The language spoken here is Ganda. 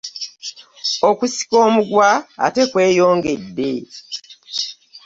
Okusika omugwa ate kweyongedde.